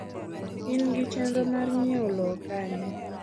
In gi chenro mar nyieo lowo Kanye?